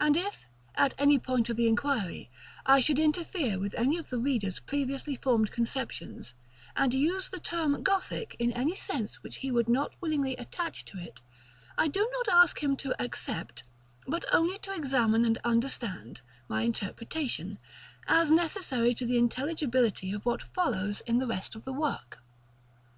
And if, at any point of the inquiry, I should interfere with any of the reader's previously formed conceptions, and use the term Gothic in any sense which he would not willingly attach to it, I do not ask him to accept, but only to examine and understand, my interpretation, as necessary to the intelligibility of what follows in the rest of the work.